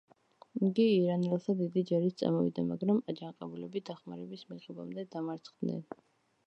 იგი ირანელთა დიდი ჯარით წამოვიდა, მაგრამ აჯანყებულები დახმარების მიღებამდე დამარცხდნენ.